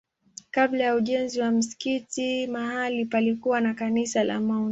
Kabla ya ujenzi wa msikiti mahali palikuwa na kanisa la Mt.